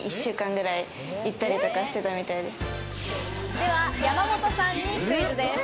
では山本さんにクイズです。